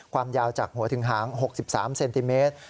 ความยาวจากหัวถึงหาง๖๓เซนติเมตร